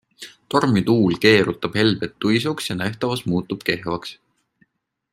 Tormituul keerutab helbed tuisuks ja nähtavus muutub kehvaks.